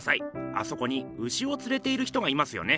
あそこに牛をつれている人がいますよね。